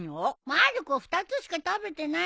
まる子２つしか食べてない！